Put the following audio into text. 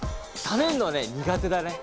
ためるのはね苦手だね。